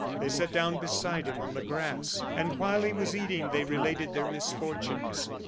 They sat down beside him on the grass, and while he was eating they related their misfortunes.